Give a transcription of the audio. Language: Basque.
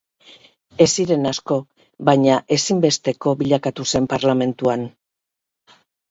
Ez ziren asko baina ezinbesteko bilakatu zen Parlamentuan.